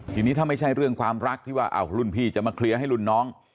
ทีนี้ถ้าไม่ใช่เรื่องความรักที่ว่ารุ่นพี่จะมาเคลียร์ให้รุ่นน้อง